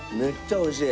おいしい！